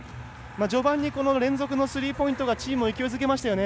序盤に連続のスリーポイントがチームを勢いづけましたね。